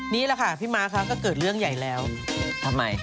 นี่แหละค่ะพี่ม้าคะก็เกิดเรื่องใหญ่แล้วทำไม